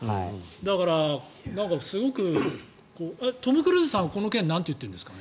だから、すごくトム・クルーズさんはこの件なんて言ってるんですか？